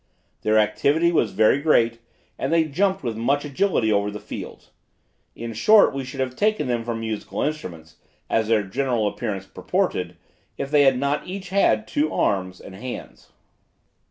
Their activity was very great, and they jumped with much agility over the fields. In short, we should have taken them for musical instruments, as their general appearance purported, if they had not had each two arms and hands.